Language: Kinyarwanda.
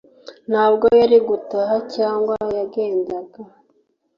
ntabwo yari gutaha, cyangwa yagenda